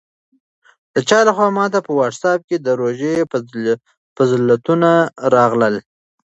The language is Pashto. د چا لخوا ماته په واټساپ کې د روژې فضیلتونه راغلل.